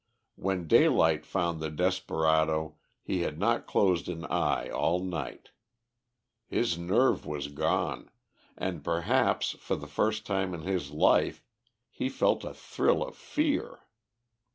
When daylight found the desperado, he had not closed an eye all night. His nerve was gone, and, perhaps for the first time in his life, he felt a thrill of fear.